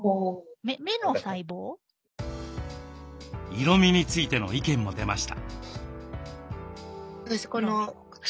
色みについての意見も出ました。